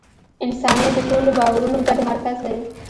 انسانیت د ټولو باورونو ګډ مرکز دی.